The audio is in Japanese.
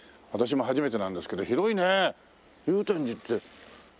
私も初めてなんですけど広いね祐天寺って。